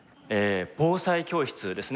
防災教室ですね。